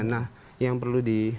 nah yang perlu di